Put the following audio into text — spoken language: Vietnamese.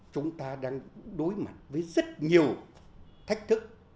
chúng ta đang đối mặt với rất nhiều thách thức